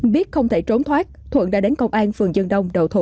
biết không thể trốn thoát thuận đã đến công an phường dương đông đậu thú